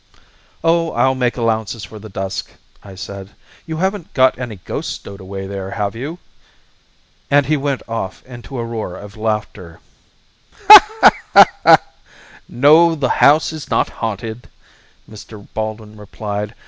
"Oh, I'll make allowances for the dusk," I said. "You haven't got any ghosts stowed away there, have you?" And he went off into a roar of laughter. "No, the house is not haunted," Mr. Baldwin replied.